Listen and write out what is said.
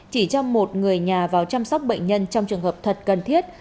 chỉ cho một người nhà vào chăm sóc bệnh nhân trong trường hợp thật cần thiết